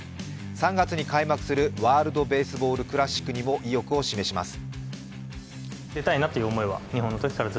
３月に開幕するワールド・ベースボール・クラシックにも意欲を示します。